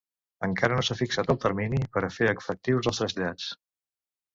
Encara no s’ha fixat el termini per a fer efectius els trasllats.